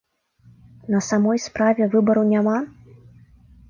На самой справе, выбару няма?